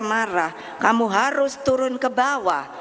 marah kamu harus turun ke bawah